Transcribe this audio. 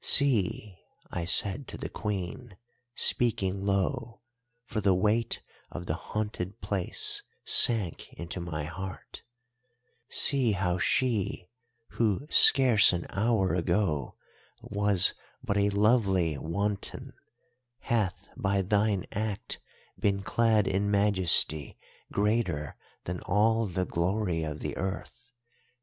"'See,' I said to the Queen, speaking low, for the weight of the haunted place sank into my heart, 'see how she who scarce an hour ago was but a lovely wanton hath by thine act been clad in majesty greater than all the glory of the earth.